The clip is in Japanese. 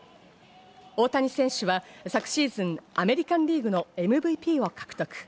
大谷選手は昨シーズン、アメリカン・リーグのＭＶＰを獲得。